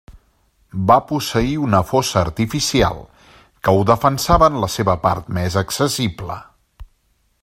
Va posseir una fossa artificial que ho defensava en la seva part més accessible.